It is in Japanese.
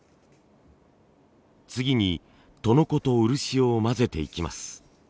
次に砥の粉と漆を混ぜていきます。